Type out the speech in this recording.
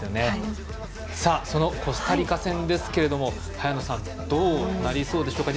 そのコスタリカ戦ですが早野さん、どうなりそうですか？